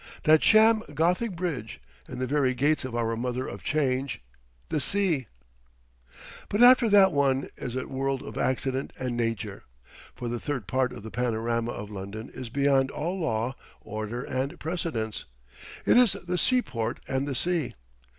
That sham Gothic bridge; in the very gates of our mother of change, the Sea! But after that one is in a world of accident and nature. For the third part of the panorama of London is beyond all law, order, and precedence; it is the seaport and the sea.